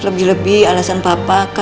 terus lihat apa makanya